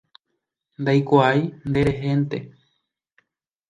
Ndaikuaái, nderehénte.